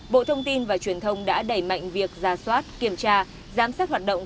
bộ thông tin và truyền thông đã đẩy mạnh việc ra soát kiểm tra giám sát hoạt động